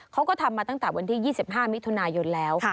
เขาก็ทำมาตั้งแต่วันที่๒๕มิถุนายนแล้ว